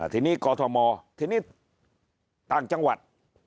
ที่นี่กรมทมที่นี่ต่างจังหวัด